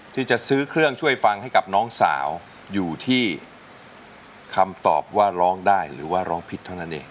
ที่จะซื้อเครื่องช่วยฟังให้กับน้องสาวอยู่ที่คำตอบว่าร้องได้หรือว่าร้องผิดเท่านั้นเอง